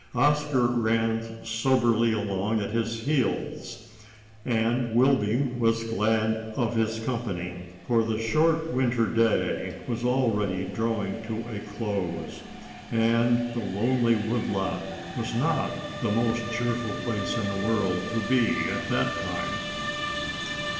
Oscar ran soberly along at his heels, and Wilby was glad of his company, for the short winter day was already drawing to a close, and the lonely wood lot was not the most cheerful place in the world to be in at that time.